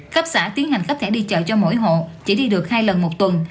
khắp xã tiến hành khắp thẻ đi chợ cho mỗi hộ chỉ đi được hai lần một tuần